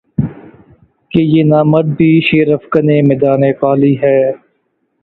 کہ یہ نامرد بھی شیر افگنِ میدانِ قالی ہے